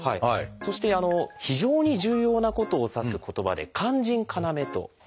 そして非常に重要なことを指す言葉で「肝腎要」と。